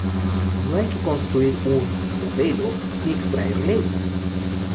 No hay que construir un "modelo" ni extraer leyes.